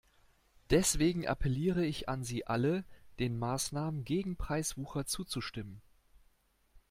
Deswegen appelliere ich an Sie alle, den Maßnahmen gegen Preiswucher zuzustimmen.